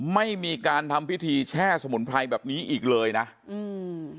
ไม่มีการทำพิธีแช่สมุนไพรแบบนี้อีกเลยนะอืม